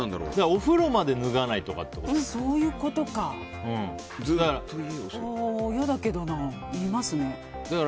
お風呂まで脱がないとかってことじゃないですか。